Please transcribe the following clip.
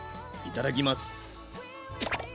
いただきます！